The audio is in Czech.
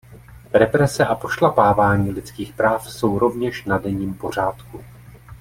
Represe a pošlapávání lidských práv jsou rovněž na denním pořádku.